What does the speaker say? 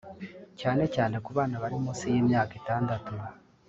cyane cyane ku bana bari munsi y’imyaka itandatu